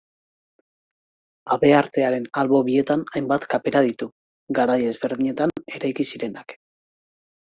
Habeartearen albo bietan hainbat kapera ditu, garai ezberdinetan eraiki zirenak.